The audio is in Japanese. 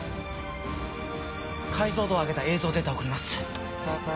解像度を上げた映像データ送ります。